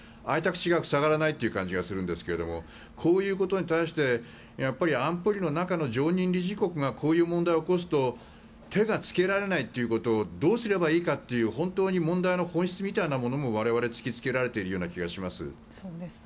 開いた口が塞がらないという感じがするんですがこういうことに関して安保理の中の常任理事国がこういう問題を起こすと手がつけられないということをどうすればいいかという本当に問題の本質みたいなものも我々突きつけられている気がします。